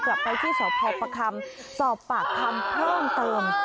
กลับไปที่สพประคำสอบปากคำเพิ่มเติม